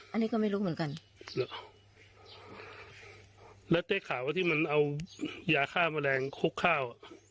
อันนี้ก็ไม่รู้เหมือนกันแล้วได้ข่าวว่าที่มันเอายาฆ่าแมลงคุกข้าว